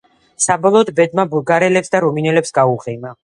საბოლოოდ ბედმა ბულგარელებს და რუმინელებს გაუღიმა.